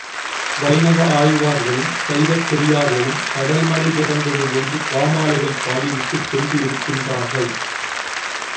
வைணவ ஆழ்வார்களும் சைவப் பெரியார்களும் கடல் மடை திறந்தது போன்று பாமாலைகள் பாடிவிட்டுச் சென்று இருக்கின்றார்கள்.